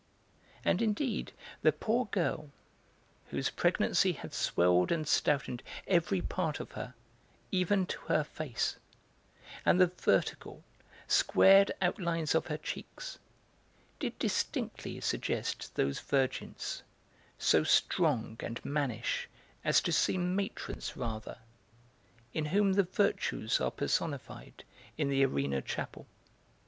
And indeed the poor girl, whose pregnancy had swelled and stoutened every part of her, even to her face, and the vertical, squared outlines of her cheeks, did distinctly suggest those virgins, so strong and mannish as to seem matrons rather, in whom the Virtues are personified in the Arena Chapel.